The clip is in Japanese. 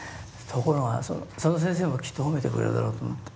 ところがその先生もきっと褒めてくれるだろうと思って。